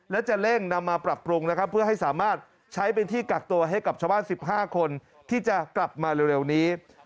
และจะเร่งนำมาปรับปรุงนะครับเพื่อให้สามารถใช้เป็นที่กักตัวให้กับชาวบ้าน๑๕คนที่จะกลับมาเร็วนี้